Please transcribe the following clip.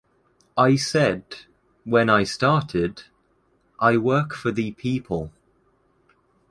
I said, when I started, I work for the people.